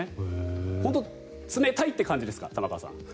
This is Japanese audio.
本当に冷たいという感じですか？